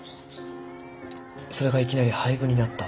それがいきなり廃部になった。